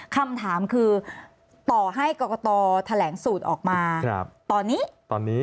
คำถามคือต่อให้กรกตแถลงสูตรออกมาตอนนี้ตอนนี้